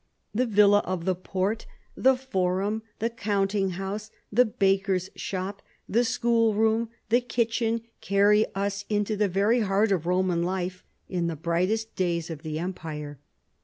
The villa of the port, the forum, the counting house, the baker's shop, the school room, the kitchen, carry us into the very heart of Roman life in the brightest days of the empire.